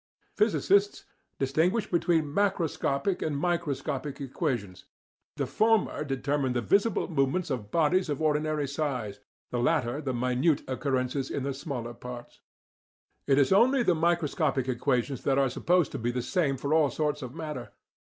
Physicists distinguish between macroscopic and microscopic equations: the former determine the visible movements of bodies of ordinary size, the latter the minute occurrences in the smallest parts. It is only the microscopic equations that are supposed to be the same for all sorts of matter.